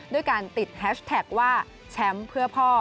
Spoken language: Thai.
ด้วยการติดแฮชแท็กว่าแชมป์เพื่อพ่อ